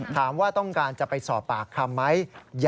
ถามว่าต้องการจะไปสอบปากคำไหม